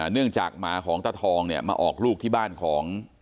เนื่องจากหมาของตาทองเนี่ยมาออกลูกที่บ้านของ